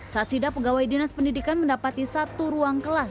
saat sida pegawai dinas pendidikan mendapati satu ruang kelas